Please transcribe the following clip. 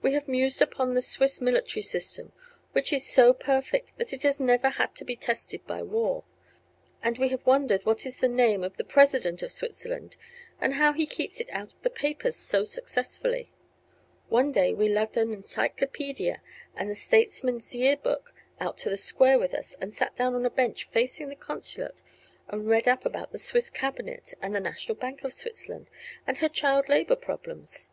We have mused upon the Swiss military system, which is so perfect that it has never had to be tested by war; and we have wondered what is the name of the President of Switzerland and how he keeps it out of the papers so successfully. One day we lugged an encyclopedia and the Statesman's Year Book out to the Square with us and sat down on a bench facing the consulate and read up about the Swiss cabinet and the national bank of Switzerland and her child labor problems.